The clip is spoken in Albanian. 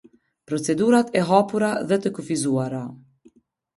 Procedurat e hapura dhe të kufizuara.